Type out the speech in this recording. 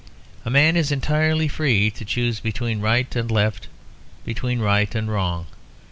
A man is entirely free to choose between right and left, or between right and wrong.